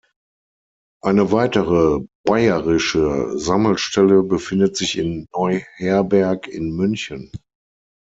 Eine weitere bayerische Sammelstelle befindet sich in Neuherberg in München.